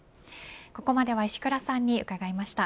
ここまでは石倉さんに伺いました。